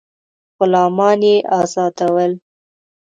غلامان یې آزادول.